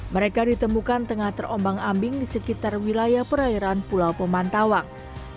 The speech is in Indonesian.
mereka ditemukan tengah terombang ambing di sekitar wilayah perairan pulau pemantawang